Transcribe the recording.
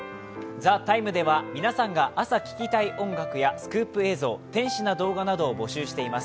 「ＴＨＥＴＩＭＥ，」では皆さんが朝聴きたい音楽や天使な動画などを募集しています。